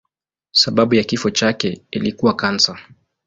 Sababu ya kifo chake ilikuwa kansa.